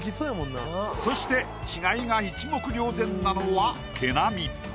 そして違いが一目瞭然なのは毛並み。